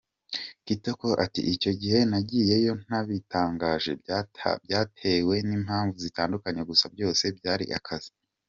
Kitoko ati “Icyo gihe nagiyeyo ntabitangaje, byatewe n’impamvu zitandukanye gusa byose byari akazi.